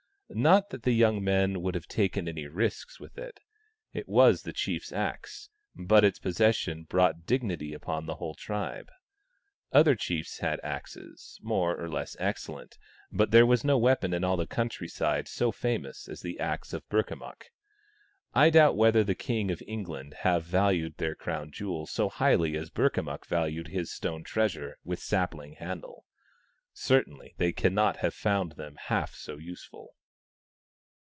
Not that the young men would have taken any risks with it. It was the chief's axe, but its possession brought dignity upon the whole tribe. Other chiefs had axes, more or less excellent, but there was no weapon in all the countryside so famous as the axe of Burkamukk. I doubt whether the Kings of England have valued their Crown Jewels so highly as Burkamukk valued his stone treasure with the sapling handle. Certainly they cannot have found them half so useful.